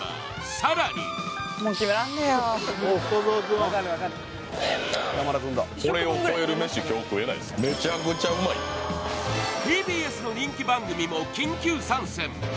更にＴＢＳの人気番組も緊急参戦。